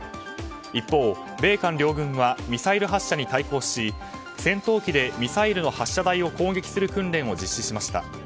一方、米韓両軍はミサイル発射に対抗し戦闘機でミサイルの発射台を攻撃する訓練を実施しました。